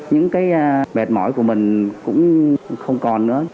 những cái mệt mỏi của mình cũng không còn nữa